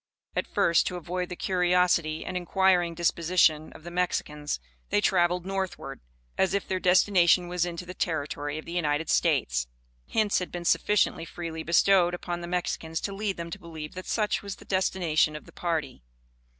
At first, to avoid the curiosity and inquiring disposition of the Mexicans, they traveled northward, as if their destination was into the territory of the United States. Hints had been sufficiently freely bestowed upon the Mexicans to lead them to believe that such was the destination of the party.